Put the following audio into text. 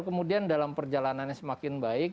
kemudian dalam perjalanannya semakin baik